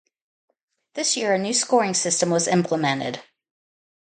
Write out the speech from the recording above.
This year a new scoring system was implemented.